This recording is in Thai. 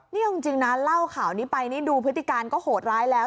นี่เอาจริงนะเล่าข่าวนี้ไปนี่ดูพฤติการก็โหดร้ายแล้ว